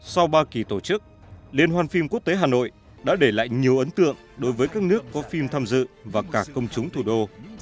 sau ba kỳ tổ chức liên hoan phim quốc tế hà nội đã để lại nhiều ấn tượng đối với các nước có phim tham dự và cả công chúng thủ đô